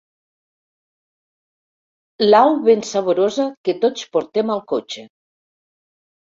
L'au ben saborosa que tots portem al cotxe.